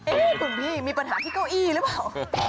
คุณพี่มีปัญหาที่เก้าอี้หรือเปล่า